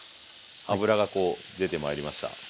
脂がこう出てまいりました。